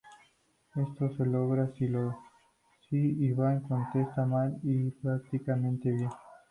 Esto se logra si Ivan contesta mal y el participante bien.